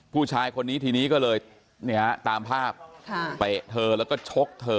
ผู้ชายคนนี้ทีนี้ก็เลยตามภาพเตะเธอแล้วก็ชกเธอ